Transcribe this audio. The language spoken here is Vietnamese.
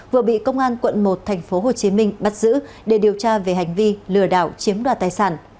vừa bị công an quận một tp hcm bắt giữ để điều tra về hành vi lừa đảo chiếm đoạt tài sản